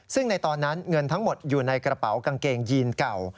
ซึ่งในตอนนั้นเงินทั้งหมดอยู่ในกระเป๋ากางเกงยีนเก่า